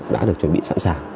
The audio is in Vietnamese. đã được chuẩn bị sẵn sàng